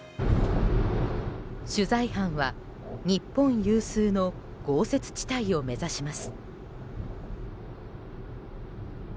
取材班は、日本有数の豪雪地帯を目指します。